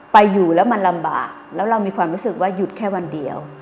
ไปอยู่แล้วมันลำบากแล้วเรามีความรู้สึกว่าหยุดแค่วันเดียว